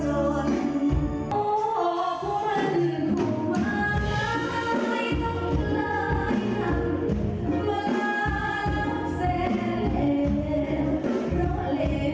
สำหรับวิธีหลวงครังของพระบิธี